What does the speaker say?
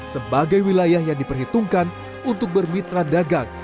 sebagai wilayah yang diperhitungkan untuk bermitra dagang